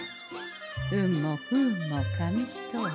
運も不運も紙一重。